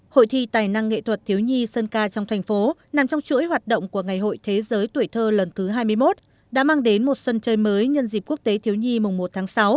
hội thi tài năng nghệ thuật thiếu nhi sơn ca trong thành phố nằm trong chuỗi hoạt động của ngày hội thế giới tuổi thơ lần thứ hai mươi một đã mang đến một sân chơi mới nhân dịp quốc tế thiếu nhi mùng một tháng sáu